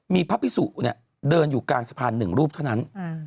มีพระพิสุเนี่ยเดินอยู่กลางสะพานหนึ่งรูปเท่านั้น